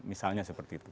misalnya seperti itu